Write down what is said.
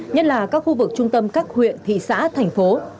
nhất là các khu vực trung tâm các huyện thị xã thành phố